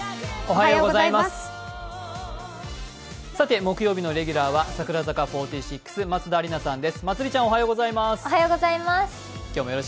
木曜日のレギュラーは櫻坂４６、松田里奈ちゃんです。